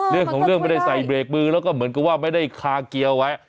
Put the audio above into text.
เรื่องของเรื่องไม่ได้ใส่เบรกมือแล้วก็เหมือนกับว่าไม่ได้คาเกียร์ไว้